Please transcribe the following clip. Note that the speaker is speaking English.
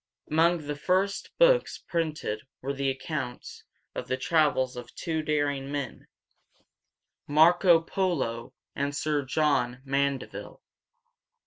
Among the first books printed were the accounts of the travels of two daring men, Mar´co Po´lo and Sir John Man´de ville.